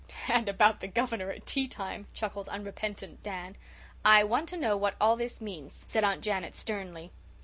"And about the Governor at tea time," chuckled unrepentant Dan. "I want to know what all this means," said Aunt Janet sternly.